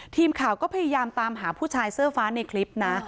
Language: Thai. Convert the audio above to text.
ทีมข่าวก็พยายามตามหาผู้ชายเสื้อฟ้าในคลิปนะ